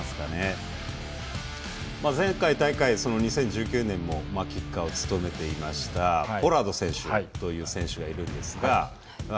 前回大会２０１９年もキッカーを務めていましたポラード選手という選手がいますが。